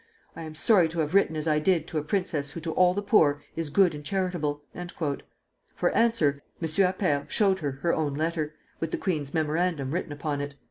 I am sorry to have written as I did to a princess who to all the poor is good and charitable." For answer, M. Appert showed her her own letter, with the queen's memorandum written upon it.